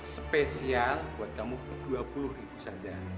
spesial buat kamu dua puluh ribu saja